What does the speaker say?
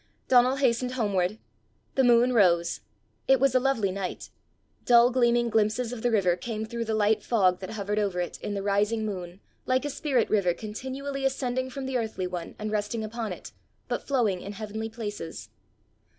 Donal hastened homeward. The moon rose. It was a lovely night. Dull gleaming glimpses of the river came through the light fog that hovered over it in the rising moon like a spirit river continually ascending from the earthly one and resting upon it, but flowing in heavenly places.